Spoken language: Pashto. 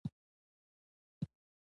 د سهار چای ښه مزه لري.